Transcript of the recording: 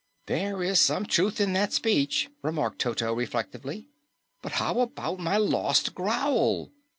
"There is some truth in that speech," remarked Toto reflectively. "But how about my lost growl?"